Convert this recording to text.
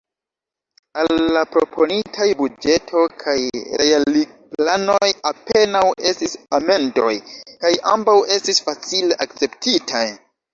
Al la proponitaj buĝeto kaj realigplanoj apenaŭ estis amendoj, kaj ambaŭ estis facile akceptitaj.